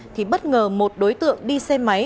thì bất ngờ một đối tượng đi xe máy